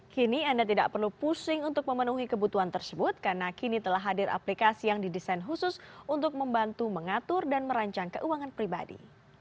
kini anda tidak perlu pusing untuk memenuhi kebutuhan tersebut karena kini telah hadir aplikasi yang didesain khusus untuk membantu mengatur dan merancang keuangan pribadi